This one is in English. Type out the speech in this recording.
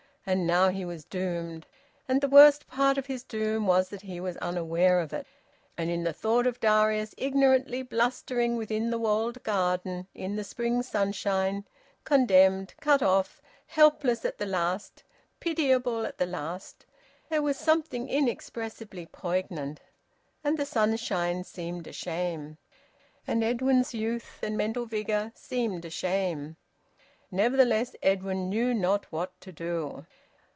And now he was doomed, and the worst part of his doom was that he was unaware of it. And in the thought of Darius ignorantly blustering within the walled garden, in the spring sunshine, condemned, cut off, helpless at the last, pitiable at the last, there was something inexpressibly poignant. And the sunshine seemed a shame; and Edwin's youth and mental vigour seemed a shame. Nevertheless Edwin knew not what to do.